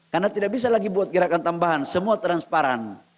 karena tidak bisa lagi buat gerakan tambahan semua transparan